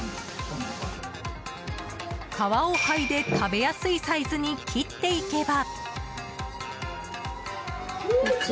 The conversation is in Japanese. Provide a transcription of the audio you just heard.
皮を剥いで食べやすいサイズに切っていけば。